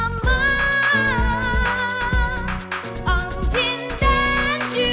om jin dan jun